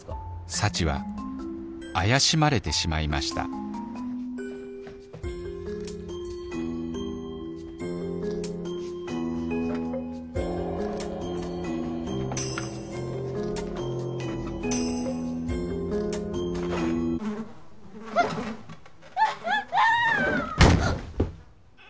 幸は怪しまれてしまいましたうわっ！